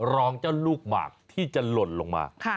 รองเจ้าลูกหมากที่จะหล่นลงมา